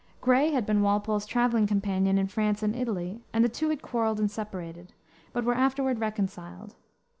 Gray had been Walpole's traveling companion in France and Italy, and the two had quarreled and separated, but were afterward reconciled.